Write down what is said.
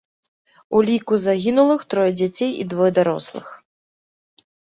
У ліку загінулых трое дзяцей і двое дарослых.